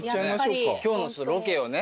今日のロケをね。